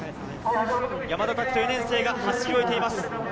山田拓人、４年生が走り終えています。